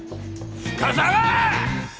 深沢！